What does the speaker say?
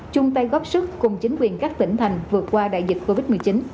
chung tay góp sức cùng chính quyền các tỉnh thành vượt qua đại dịch covid một mươi chín